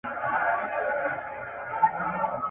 عمر پر هر چا تېرېږي خو پر چا ښه پر چا بد .